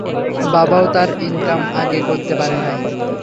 বাবাও তার ইনকাম আগে করতে পারে নাই।